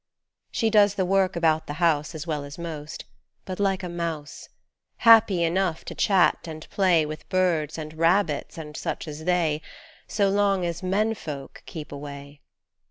She does the work about the house As well as most, but like a mouse : Happy enough to chat and play With birds and rabbits and such as they, So long as men folk keep away.